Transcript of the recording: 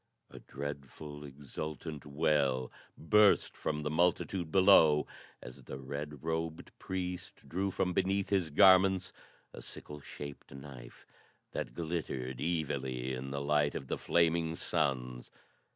A dreadful, exultant yell burst from the multitude below as the red robed priest drew from beneath his garments a sickle shaped knife that glittered evilly in the light of the flaming suns.